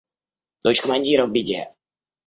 Дочь командира в беде!